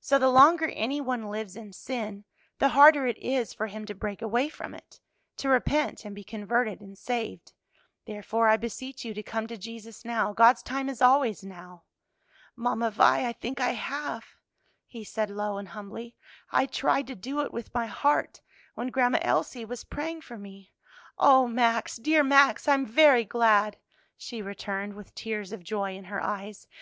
So the longer any one lives in sin, the harder it is for him to break away from it to repent and be converted and saved. Therefore, I beseech you to come to Jesus now; God's time is always now." "Mamma Vi, I think I have," he said low and humbly; "I tried to do it with my heart, when Grandma Elsie was praying for me." "O Max, dear Max, I am very glad!" she returned with tears of joy in her eyes.